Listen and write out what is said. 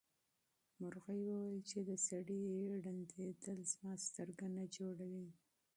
مرغۍ وویل چې د سړي ړندېدل زما سترګه نه جوړوي.